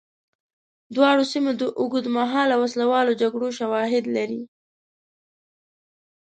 دواړو سیمو د اوږدمهاله وسله والو جګړو شواهد لري.